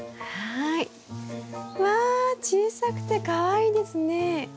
わ小さくてかわいいですね。